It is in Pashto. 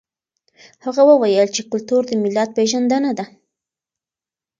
هغه وویل چې کلتور د ملت پېژندنه ده.